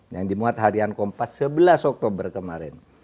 yang dimuat harian kompas sebelas oktober kemarin